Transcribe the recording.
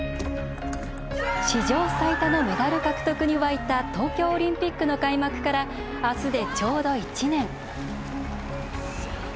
史上最多のメダル獲得に沸いた東京オリンピックの開幕からあすで、ちょうど１年。